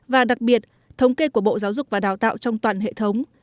và đặc biệt thống kê của bộ giáo dục và đào tạo trong toàn hệ thống